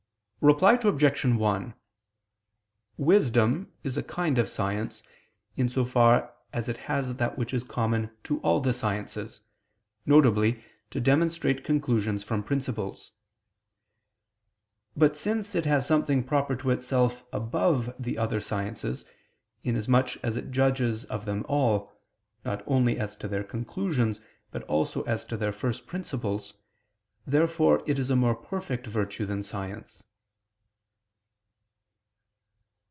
Reply Obj. 1: Wisdom is a kind of science, in so far as it has that which is common to all the sciences; viz. to demonstrate conclusions from principles. But since it has something proper to itself above the other sciences, inasmuch as it judges of them all, not only as to their conclusions, but also as to their first principles, therefore it is a more perfect virtue than science.